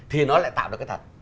thì nó lại tạo được cái thật